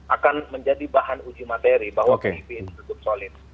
akan menjadi bahan uji materi bahwa kib ini cukup solid